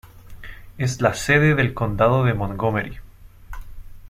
Es la sede del Condado de Montgomery.